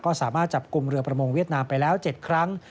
ก็สามารถจับกลุ่มเรือประมงเวียดนามไปแล้ว๗ครั้ง